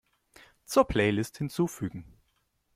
Zur Playlist hinzufügen.